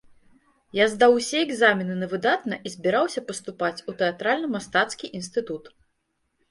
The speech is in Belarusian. Я здаў усе экзамены на выдатна і збіраўся паступаць у тэатральна-мастацкі інстытут.